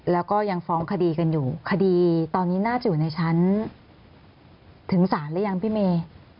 แล้วก็ยังฟ้องคดีกันอยู่คดีตอนนี้น่าจะอยู่ในชั้นถึงศาลหรือยังพี่เมย์